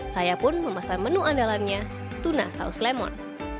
saya pun memesan menu andalannya tuna saus lemon